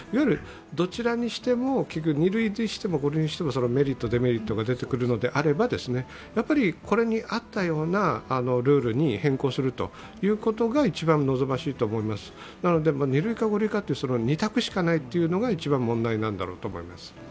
どちらにしても２類にしても５類にしてもメリット・デメリットが出るのならやっぱり、これに合ったようなルールに変更するということが一番望ましいと思います、なので、２類か５類かという二択しかないのが一番問題なんだろうと思います。